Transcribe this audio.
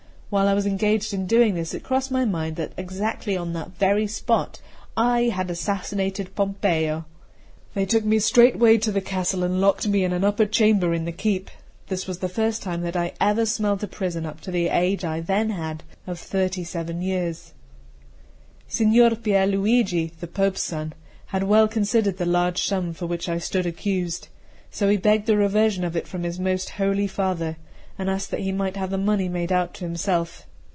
While I was engaged in doing this, it crossed my mind that exactly on that very spot I had assassinated Pompeo. They took me straightway to castle, and locked me in an upper chamber in the keep. This was the first time that I ever smelt a prison up to the age I then had of thirty seven years. Note 1. He had been invested with the Duchy of Castro in 1537. CII SIGNOR PIER LUIGI, the Pope's son, had well considered the large sum for which I stood accused; so he begged the reversion of it from his most holy father, and asked that he might have the money made out to himself.